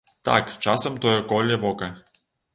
Так, часам тое коле вока.